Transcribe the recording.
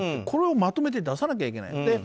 これをまとめて出さなきゃいけない。